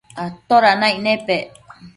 atoda naic nepec